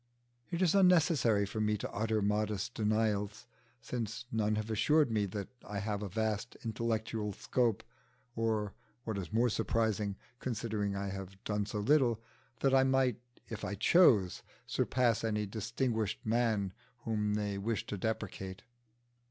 It is unnecessary for me to utter modest denials, since none have assured me that I have a vast intellectual scope, or what is more surprising, considering I have done so little that I might, if I chose, surpass any distinguished man whom they wish to depreciate.